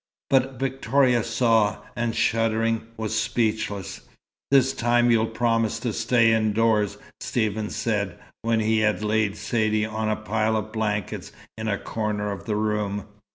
But Victoria saw, and, shuddering, was speechless. "This time you'll promise to stay indoors!" Stephen said, when he had laid Saidee on the pile of blankets in a corner of the room.